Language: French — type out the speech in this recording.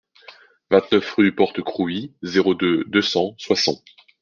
vingt-neuf rue Porte Crouy, zéro deux, deux cents Soissons